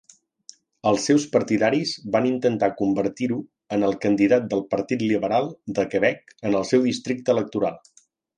Els seus partidaris van intentar convertir-ho en el candidat del Partit Liberal de Quebec en el seu districte electoral.